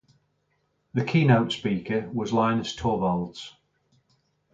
The keynote speaker was Linus Torvalds.